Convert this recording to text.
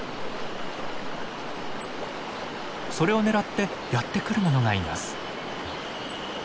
それを狙ってやってくるものがいます。